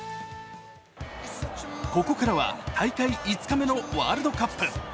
ここからは大会５日目のワールドカップ。